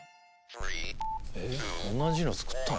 「同じの作ったの？」